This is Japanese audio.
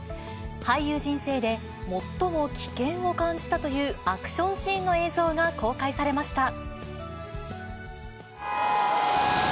俳優人生で最も危険を感じたというアクションシーンの映像が公開されました。